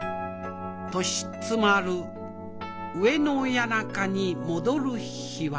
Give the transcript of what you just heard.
「年つまる上野谷中に戻る日は」